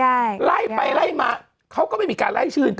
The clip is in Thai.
อะไรจะใคร